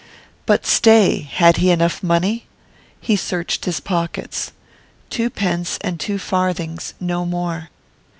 But stay; had he enough money? He searched his pockets. Two pence and two farthings; no more.